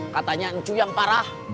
katanya cuy yang parah